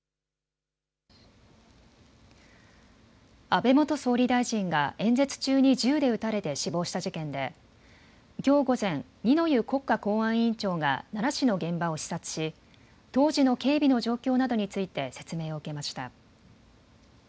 安倍元総理大臣が演説中に銃で撃たれて死亡した事件できょう午前、二之湯国家公安委員長が奈良市の現場を視察し当時の警備の状況などについて説明を受けました。